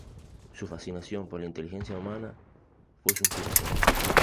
Su fascinación por la inteligencia humana fue su inspiración.